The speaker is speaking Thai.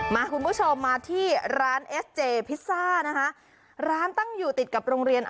คุณผู้ชมมาที่ร้านเอสเจพิซซ่านะคะร้านตั้งอยู่ติดกับโรงเรียน